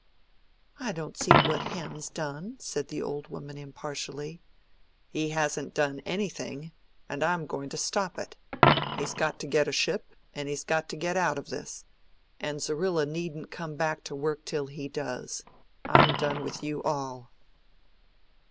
"I don't see what Hen's done," said the old woman impartially. "He hasn't done anything, and I'm going to stop it. He's got to get a ship, and he's got to get out of this. And Zerrilla needn't come back to work till he does. I'm done with you all."